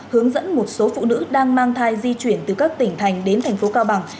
hướng dẫn một số phụ nữ đang mang thai di chuyển từ các tỉnh thành đến thành phố cao bằng